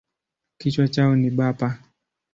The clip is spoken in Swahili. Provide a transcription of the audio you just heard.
Kichwa chao ni bapa.